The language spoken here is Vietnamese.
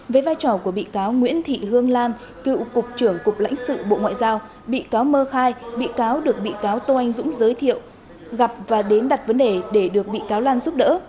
với vai trò của bị cáo nguyễn thị hương lan cựu cục trưởng cục lãnh sự bộ ngoại giao bị cáo mơ khai bị cáo được bị cáo tô anh dũng giới thiệu gặp và đến đặt vấn đề để được bị cáo lan giúp đỡ